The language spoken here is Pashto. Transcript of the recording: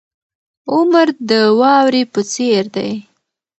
عمر د واورې په څیر دی.